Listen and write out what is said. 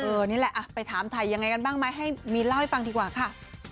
นี่แหละไปถามถ่ายยังไงกันบ้างไหมให้มีนเล่าให้ฟังดีกว่าค่ะ